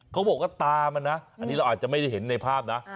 เขาบอกว่าตามันนะอันนี้เราอาจจะไม่ได้เห็นในภาพนะ